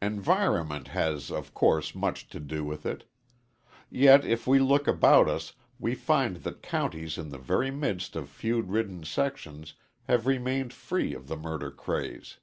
Environment has, of course, much to do with it. Yet if we look about us, we find that counties in the very midst of feud ridden sections have remained free of the murder craze.